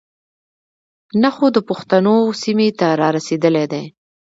نۀ خو د پښتنو سيمې ته را رسېدلے دے.